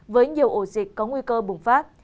với nhiều ổ dịch có nguy cơ bùng phát